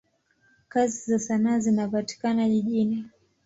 Kazi za sanaa zinapatikana jijini.